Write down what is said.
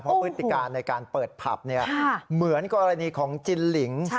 เพราะพฤติการในการเปิดผับเหมือนกรณีของจินหลิง